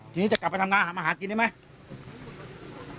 ทีนี้จะกลับไปทำงานหามาหากินได้ไหม